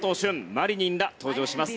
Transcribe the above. マリニンら登場します